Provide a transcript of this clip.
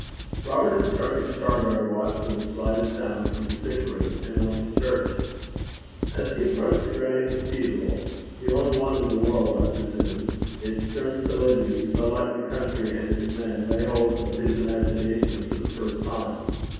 Robert instructed Shargar to watch for the slightest sound from the sick room, and went to church. As he approached the granite cathedral, the only one in the world, I presume, its stern solidity, so like the country and its men, laid hold of his imagination for the first time.